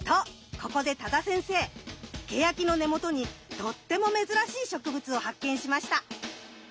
ここで多田先生ケヤキの根元にとっても珍しい植物を発見しました。